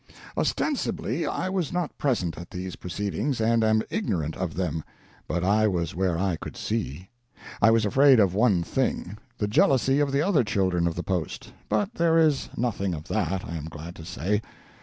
Ostensibly I was not present at these proceedings, and am ignorant of them; but I was where I could see. I was afraid of one thing—the jealousy of the other children of the post; but there is nothing of that, I am glad to say.